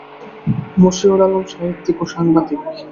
মশিউল আলম সাহিত্যিক ও সাংবাদিক।